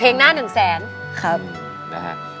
เพลงหน้า๑๐๐๐๐๐